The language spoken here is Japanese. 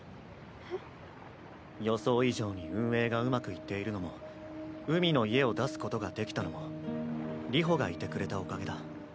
えっ？予想以上に運営がうまくいっているのも海の家を出すことができたのも流星がいてくれたおかげだ。